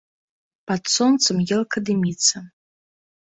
Пад сонцам елка дыміцца.